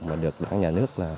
mà được các nhà nước